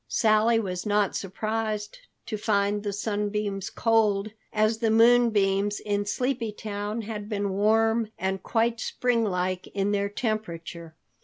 Sally was not surprised to find the sunbeams cold, as the moonbeams in Sleepy Town had been warm and quite springlike in their temperature.